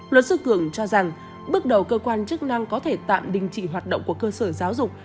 luật sư cường cho rằng bước đầu cơ quan chức năng có thể tạm đình chỉ hoạt động của cơ sở giáo dục